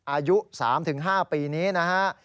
อายุ๓๕ปีนี้นะฮะ